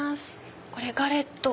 これガレット